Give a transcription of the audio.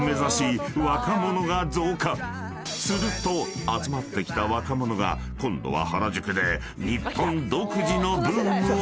［すると集まってきた若者が今度は］